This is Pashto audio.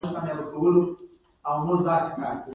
مځکه د ساتنې اړتیا لري.